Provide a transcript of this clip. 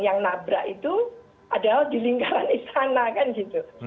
yang nabrak itu adalah di lingkaran istana kan gitu